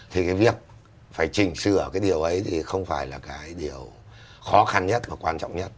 thì cái việc phải chỉnh sửa cái điều ấy thì không phải là cái điều khó khăn nhất và quan trọng nhất